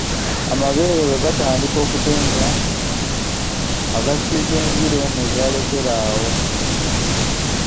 Amabeere bwe gatandika okutonnya agasiiga enziro ne galekera awo.